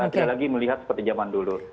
tidak lagi melihat seperti zaman dulu